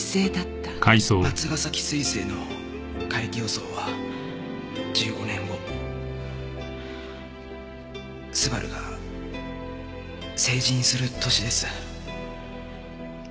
松ヶ崎彗星の回帰予想は１５年後昴が成人する年です。